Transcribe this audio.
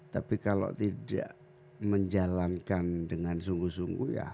tapi kalau tidak menjalankan dengan sungguh sungguh ya